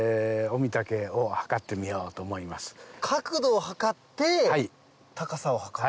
角度を測って高さを測る？